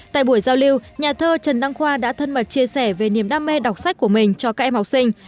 tại buổi giao lưu nhà thơ trần đăng khoa đã thân mật chia sẻ về niềm đam mê đọc sách của mình cho các em học sinh